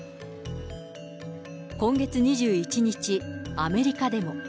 今月２１日、アメリカでも。